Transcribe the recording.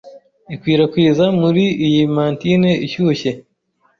ikwirakwiza Muri iyi mantine ishyushye